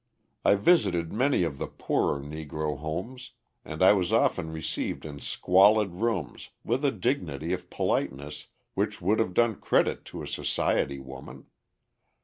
I visited many of the poorer Negro homes and I was often received in squalid rooms with a dignity of politeness which would have done credit to a society woman.